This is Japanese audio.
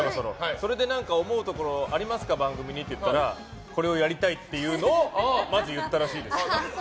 それで番組に思うところありますか？と言ったらこれをやりたいってまず言ったらしいです。